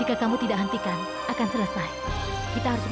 aku ingin bebas